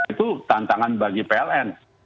itu tantangan bagi pln